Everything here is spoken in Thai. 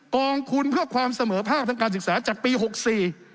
กองทุนเพื่อความเสมอภาคทางการศึกษาจากปีหกสี่